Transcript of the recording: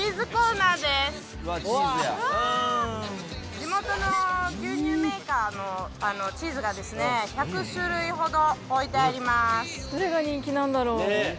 地元の牛乳メーカーのチーズがですね１００種類ほど置いてあります。